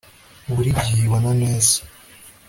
buri gihe ibona neza